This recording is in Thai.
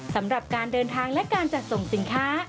สำหรับการเดินทางและการจัดส่งสินค้า